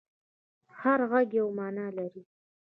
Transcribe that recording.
هر غږ یوه معنی لري.